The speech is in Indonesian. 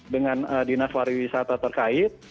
dengan dinas pariwisata terkait